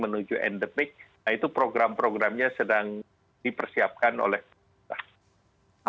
nah itu program programnya sedang dipersiapkan oleh pemerintah